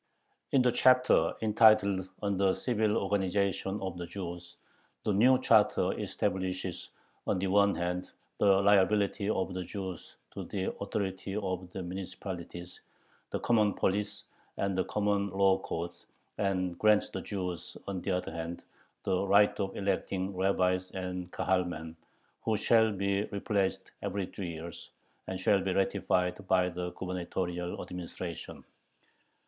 In the chapter entitled "On the Civil Organization of the Jews," the new charter establishes, on the one hand, the liability of the Jews to the authority of the municipalities, the common police, and the common law courts, and grants the Jews, on the other hand, the right of electing rabbis and "Kahalmen," who shall be replaced every three years, and shall be ratified by the gubernatorial administration.